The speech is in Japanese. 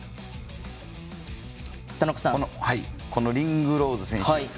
リングローズ選手。